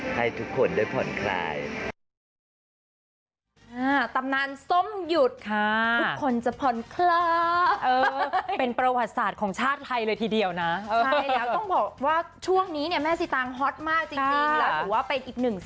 ให้ทุกคนรู้สึกอย่างไร